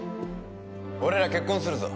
俺ら結婚するぞ！